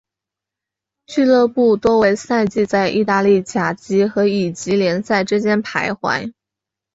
俱乐部多数赛季在意大利甲级和乙级联赛之间徘徊。